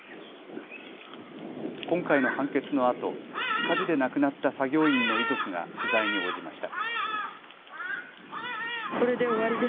今回の判決のあと火事で亡くなった作業員の遺族が取材に応じました。